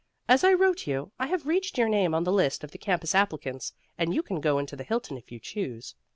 As I wrote you, I have reached your name on the list of the campus applicants, and you can go into the Hilton if you choose.